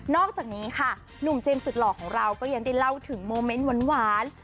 อกจากนี้ค่ะหนุ่มเจมส์สุดหล่อของเราก็ยังได้เล่าถึงโมเมนต์หวาน